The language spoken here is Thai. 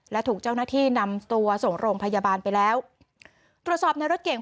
และถูกเจ้าหน้าที่นำตัวส่งโรงพยาบาลไปแล้วตรวจสอบในรถเก่ง